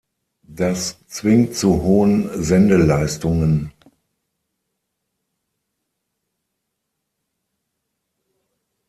Das zwingt zu hohen Sendeleistungen.